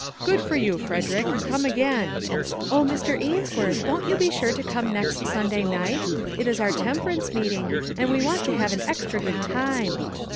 "Good for you, Frederick! come again." " Oh, Mr. Ainsworth, won't you be sure to come next Sunday night? It is our temperance meeting, and we want to have an extra good time."